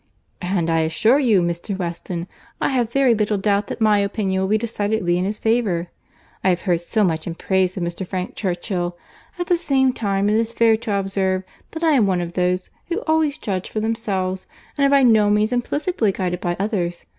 "And I assure you, Mr. Weston, I have very little doubt that my opinion will be decidedly in his favour. I have heard so much in praise of Mr. Frank Churchill.—At the same time it is fair to observe, that I am one of those who always judge for themselves, and are by no means implicitly guided by others.